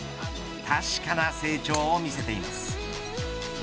確かな成長を見せています。